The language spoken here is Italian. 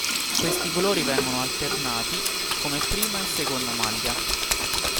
Questi colori vengono alternati come prima e seconda maglia.